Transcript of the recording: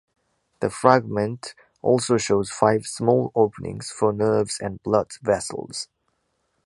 The fragment also shows five small openings for nerves and blood vessels.